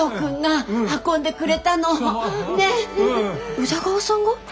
宇田川さんが？